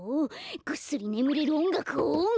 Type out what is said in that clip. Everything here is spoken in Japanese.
ぐっすりねむれるおんがくをオン！